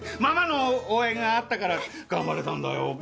ママの応援があったから頑張れたんだよ。